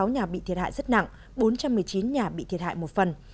sáu nhà bị thiệt hại rất nặng bốn trăm một mươi chín nhà bị thiệt hại một phần